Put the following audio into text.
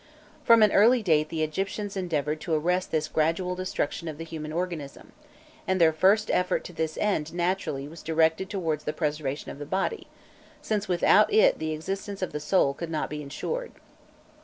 Erom an early date the Egyptians had endeavoured to arrest this gradual destruction of the human organism, and their first effort to this end naturally was directed towards the preservation of the body, since without it the existence of the soul could not be ensured.